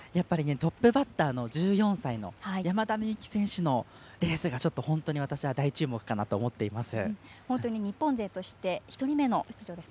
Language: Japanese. トップバッターの１４歳の山田美幸選手のレースが本当に私は大注目かなと思っています。